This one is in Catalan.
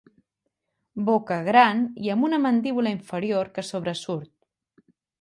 Boca gran i amb una mandíbula inferior que sobresurt.